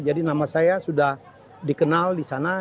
jadi nama saya sudah dikenal di sana